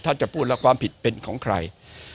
ถ้าจะพูดแล้วความผิดเป็นของใคร